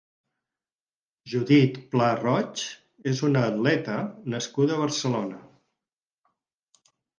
Judit Pla Roig és una atleta nascuda a Barcelona.